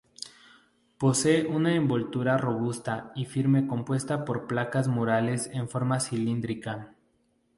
Posee una envoltura robusta y firme compuesta por placas murales en forma cilíndrica.